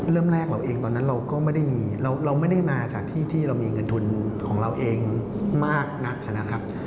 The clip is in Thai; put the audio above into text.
เริ่มแรกเราเองตอนนั้นเราก็ไม่ได้มีเราไม่ได้มาจากที่ที่เรามีเงินทุนของเราเองมากนักนะครับ